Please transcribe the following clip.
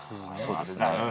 そうです。